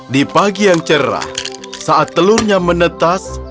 di pagi yang cerah saat telurnya menetas